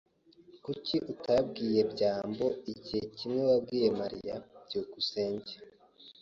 Kuki utabwiye byambo igihe kimwe wabwiye Mariya? byukusenge